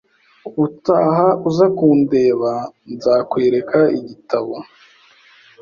Ubutaha uza kundeba, nzakwereka igitabo